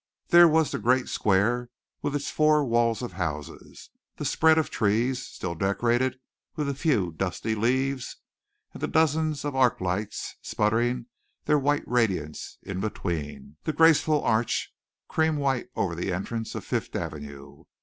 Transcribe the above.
There was the great square with its four walls of houses, the spread of trees, still decorated with a few dusty leaves, and the dozens of arc lights sputtering their white radiance in between, the graceful arch, cream white over at the entrance of Fifth Avenue.